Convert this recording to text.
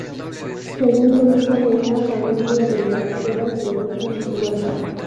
Segundo hijo de una familia de granjeros de origen noruego.